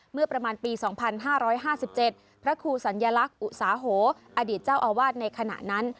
เมื่อประมาณปี๒๕๕๗พระครูสัญลักษณ์อุตสาโหอดีตเจ้าอาวาสในขณะนั้น